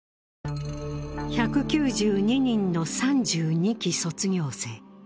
１９２人の３２期卒業生。